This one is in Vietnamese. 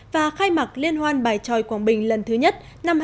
và khai mạc liên hoan bài tròi quảng bình lần thứ nhất năm hai nghìn một mươi chín